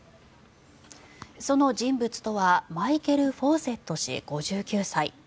その人物とはマイケル・フォーセット氏５９歳。